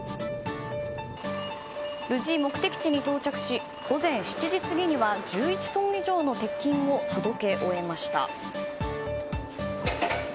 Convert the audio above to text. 無事目的に到着し午前７時過ぎには１１トン以上の鉄筋を届け終えました。